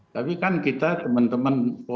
tapi kan kita teman teman pro demokrasi